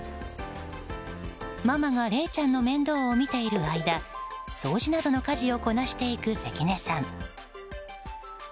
ママがれいちゃんの面倒を見ている間掃除などの家事をこなしていく関根さん。